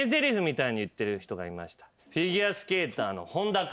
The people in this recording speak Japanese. フィギュアスケーターの本田君。